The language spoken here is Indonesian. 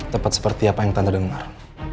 tepat seperti apa yang tante dengar